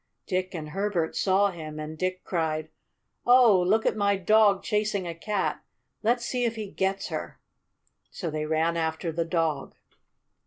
Dick and Herbert saw him, and Dick cried: "Oh, look at my dog chasing a cat. Let's see if he gets her." So they ran after the dog.